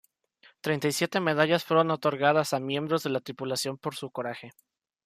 Treinta y siete medallas fueron otorgadas a miembros de la tripulación por su coraje.